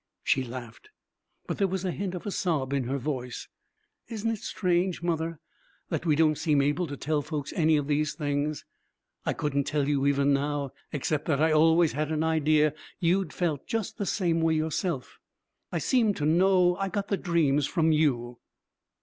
She laughed, but there was a hint of a sob in her voice. 'Isn't it strange, mother, that we don't seem able to tell folks any of these things? I couldn't tell you even now, except that I always had an idea you'd felt just the same way, yourself. I seemed to know I got the dreams from you.'